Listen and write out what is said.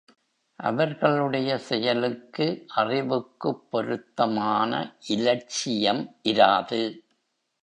அவர்களுடைய செயலுக்கு அறிவுக்குப் பொருத்தமான இலட்சியம் இராது.